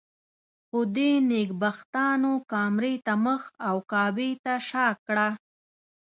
خو دې نېکبختانو کامرې ته مخ او کعبې ته شا کړه.